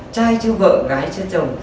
trai chưa vợ gái chưa chồng